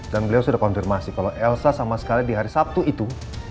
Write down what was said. dan beliau sudah konfirmasi kalau elsa sama sekali di hari sabtu itu